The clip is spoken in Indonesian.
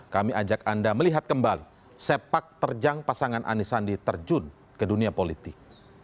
kami ajak anda melihat kembali sepak terjang pasangan anis sandi terjun ke dunia politik